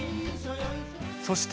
そして